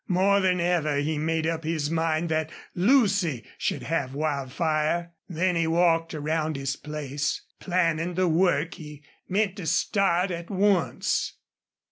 More than ever he made up his mind that Lucy should have Wildfire. Then he walked around his place, planning the work he meant to start at once.